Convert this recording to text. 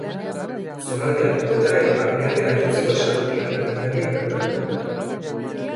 Zonalde altuetara edo barnealdera jotzeko eskatu diete agintariek bertako herritarrei.